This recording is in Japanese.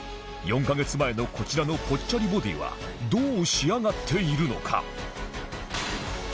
４カ月前のこちらのポッチャリボディーはどう仕上がっているのか？